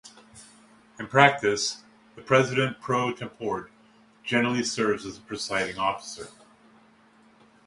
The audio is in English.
In practice, the President Pro Tempore generally serves as the presiding officer.